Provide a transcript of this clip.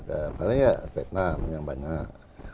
karena ya vietnam yang banyak